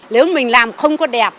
nếu mình làm không có đẹp